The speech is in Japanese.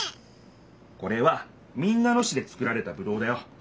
これは民奈野市でつくられたぶどうだよ。